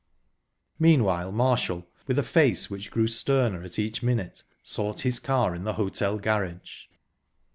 Meanwhile Marshall, with a face which grew sterner each minute, sought his car in the hotel garage.